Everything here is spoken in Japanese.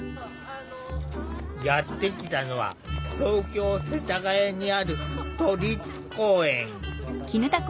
やって来たのは東京・世田谷にある都立公園。